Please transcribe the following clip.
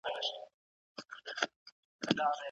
اتلس اتلسم عدد دئ.